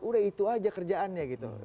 sudah itu saja kerjaannya